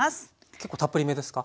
結構たっぷりめですか？